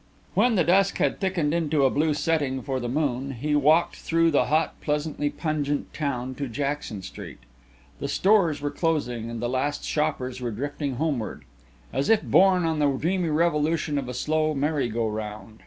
When the dusk had thickened into a blue setting for the moon, he walked through the hot, pleasantly pungent town to Jackson Street. The stores were closing and the last shoppers were drifting homeward, as if borne on the dreamy revolution of a slow merry go round.